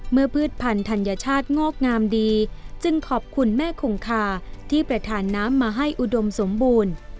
พืชพันธัญชาติงอกงามดีจึงขอบคุณแม่คงคาที่ประธานน้ำมาให้อุดมสมบูรณ์